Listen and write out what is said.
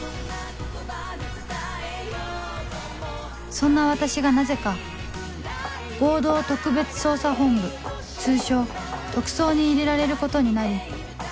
そんな私がなぜか合同特別捜査本部通称「特捜」に入れられることになり